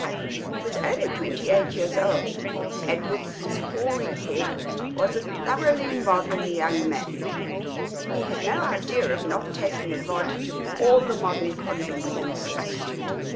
He was only twenty eight years old, and, with his hoary head, was a thoroughly modern young man; he had no idea of not taking advantage of all the modern conveniences.